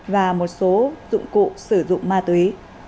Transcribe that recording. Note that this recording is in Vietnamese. và một số dụng cụ sử dụng ma túy